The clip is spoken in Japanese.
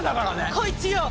こいつよ！